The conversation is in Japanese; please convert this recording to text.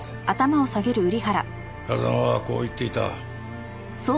風間はこう言っていた。